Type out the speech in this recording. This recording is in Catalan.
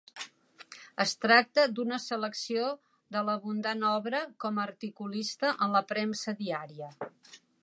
Es tracta d'una selecció de l'abundant obra com a articulista en la premsa diària.